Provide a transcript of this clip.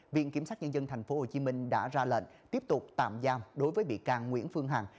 viện kiểm sát nhân dân tp hcm đã ra lệnh tiếp tục tạm giam đối với bị can nguyễn phương hằng